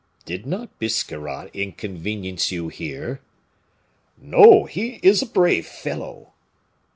"Did not Biscarrat inconvenience you here?" "No; he is a brave fellow."